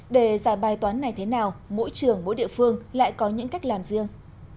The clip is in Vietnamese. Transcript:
để giải bài toán này thế nào mỗi trường mỗi địa phương lại có những cách làm riêng